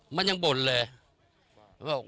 มันยังบ่นเลย